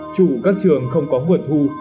chủ các trường không có nguồn thu